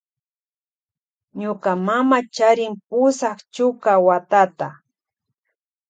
Ñuka mama charin pusak chuka watata.